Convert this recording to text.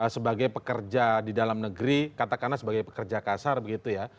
sebagai pekerja di dalam negeri katakanlah sebagai pekerja kasar begitu ya